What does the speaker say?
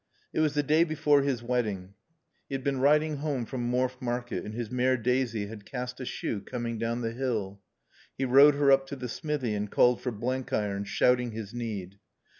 It was the day before his wedding. He had been riding home from Morfe Market and his mare Daisy had cast a shoe coming down the hill. He rode her up to the smithy and called for Blenkiron, shouting his need.